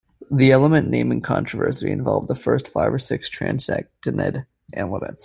The element naming controversy involved the first five or six transactinide elements.